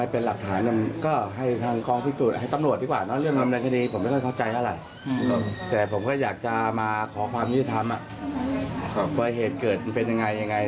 เพราะว่าเหตุเกิดเป็นยังไงยังไง